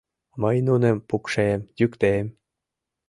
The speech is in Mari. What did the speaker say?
Мый нуным пукшем, йӱктем.